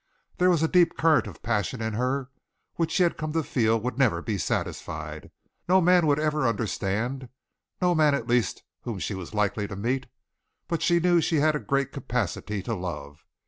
There was a deep current of passion in her which she had come to feel would never be satisfied. No man would ever understand, no man at least whom she was likely to meet; but she knew she had a great capacity to love.